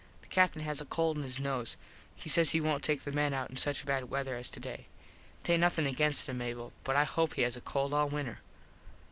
The Captin has a cold in his nose. He says he wont take the men out in such bad wether as today. Taint nothin gainst him Mable but I hope he has a cold all winter.